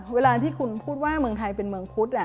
เวลาที่คุณพูดว่าเมืองไทยเป็นเมืองคุด